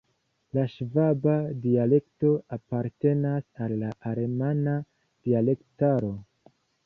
La ŝvaba dialekto apartenas al la alemana dialektaro.